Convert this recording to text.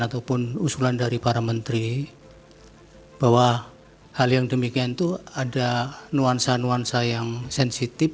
ataupun usulan dari para menteri bahwa hal yang demikian itu ada nuansa nuansa yang sensitif